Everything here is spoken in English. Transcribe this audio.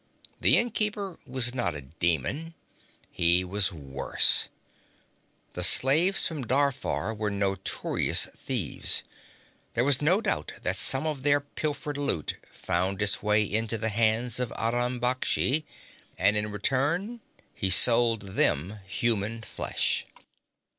The innkeeper was not a demon; he was worse. The slaves from Darfar were notorious thieves; there was no doubt that some of their pilfered loot found its way into the hands of Aram Baksh. And in return he sold them human flesh.